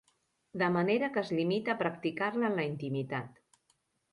De manera que es limita a practicar-la en la intimitat.